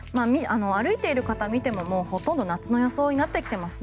歩いている方を見てもほとんど夏の装いになってきています。